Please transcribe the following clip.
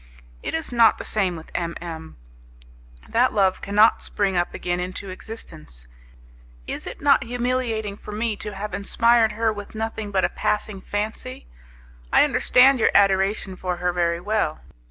It is not the same with M M ; that love cannot spring up again into existence. Is it not humiliating for me to have inspired her with nothing but a passing fancy? I understand your adoration for her very well.